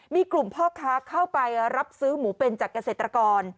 มีกลุ่มพ่อค้าเข้าไปรับซื้อหมูเป็นจากเกษตรกร